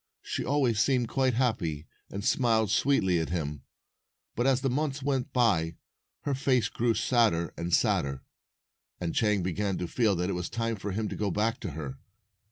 She always seemed quite happy, and smiled sweetly at him. But as the months went by, her face grew sadder and sadder, and Chang began to feel that it was time for him to go back to her.